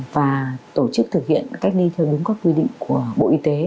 và tổ chức thực hiện cách ly theo đúng các quy định của bộ y tế